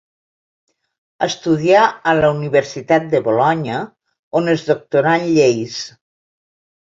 Estudià a la Universitat de Bolonya, on es doctorà en lleis.